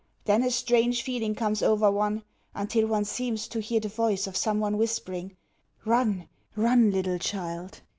Then a strange feeling comes over one, until one seems to hear the voice of some one whispering: "Run, run, little child!